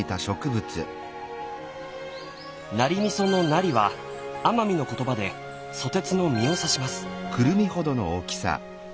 ナリ味噌の「ナリ」は奄美の言葉でソテツの実を指します。